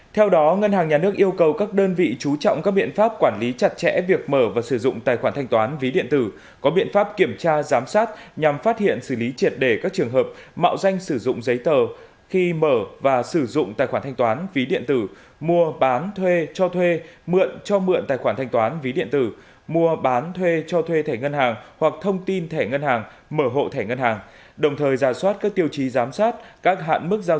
theo đó ngân hàng nhà nước yêu cầu các đơn vị chú trọng các biện pháp quản lý chặt chẽ việc mở và sử dụng tài khoản thanh toán ví điện tử có biện pháp kiểm tra giám sát nhằm phát hiện xử lý triệt đề các trường hợp mạo danh sử dụng giấy tờ khi mở và sử dụng tài khoản thanh toán ví điện tử mua bán thuê cho thuê mượn cho mượn tài khoản thanh toán ví điện tử mua bán thuê cho thuê thẻ ngân hàng hoặc thông tin thẻ ngân hàng mở hộ thẻ ngân hàng đồng thời giả soát các tiêu chí giám sát các hạn mức giao d